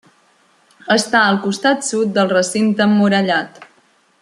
Està al costat sud del recinte emmurallat.